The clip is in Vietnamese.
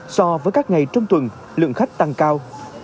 so với các ngày trong tuần lượng khách tăng cao